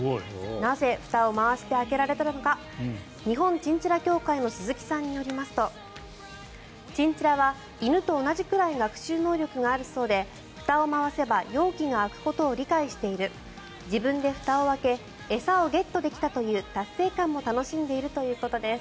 なぜふたを回して開けられたのか日本チンチラ協会の鈴木さんによりますとチンチラは犬と同じぐらい学習能力があるそうでふたを回せば容器が開くことを理解している自分でふたを開け餌をゲットできたという達成感も楽しんでいるということです。